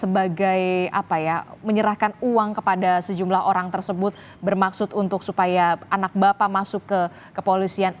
sebagai apa ya menyerahkan uang kepada sejumlah orang tersebut bermaksud untuk supaya anak bapak masuk ke kepolisian